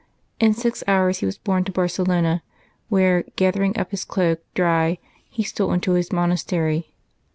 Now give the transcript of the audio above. In six hours he was borne to Barcelona, where, gather ing up his cloak dry, he stole into his monastery.